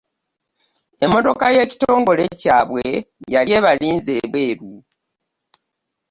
Emmotoka y'ekitongole kyabwe yali ebalinze ebweru.